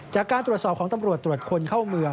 จากการตรวจสอบของตำรวจตรวจคนเข้าเมือง